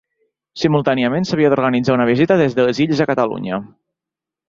Simultàniament s'havia d'organitzar una visita des de les illes a Catalunya.